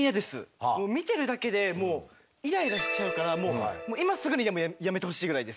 見てるだけでイライラしちゃうから今すぐにでもやめてほしいぐらいです。